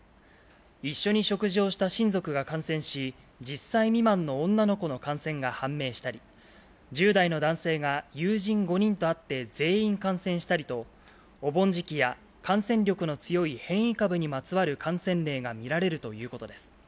一緒に食事をした親族が感染し、１０歳未満の女の子の感染が判明したり、１０代の男性が友人５人と会って、全員感染したりと、お盆時期や感染力の強い変異株にまつわる感染例が見られるということです。